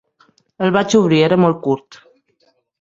El vaig obrir, era molt curt.